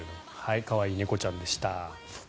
可愛い猫ちゃんでした。